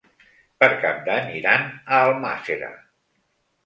Per Cap d'Any iran a Almàssera.